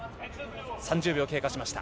３０秒経過しました。